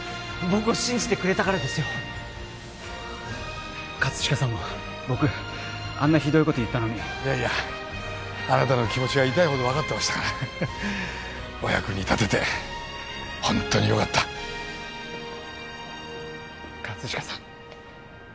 僕を信じてくれたからですよ葛飾さんも僕あんなひどいこと言ったのにいやいやあなたの気持ちは痛いほど分かってましたからお役に立ててホントによかった葛飾さん